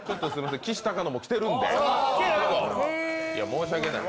きしたかのも来てるんでどうぞ、申し訳ない。